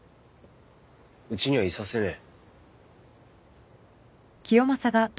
うちにはいさせねえ。